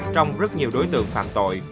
trong rất nhiều đối tượng phạm tội